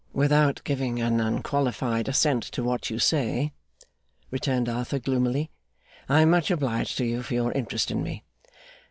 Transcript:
'Without giving an unqualified assent to what you say,' returned Arthur, gloomily, 'I am much obliged to you for your interest in me.